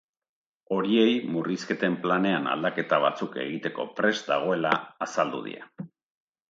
Horiei murrizketen planean aldaketa batzuk egiteko prest dagoela azaldu die.